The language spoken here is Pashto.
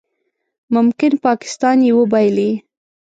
ممکن پاکستان یې وبایلي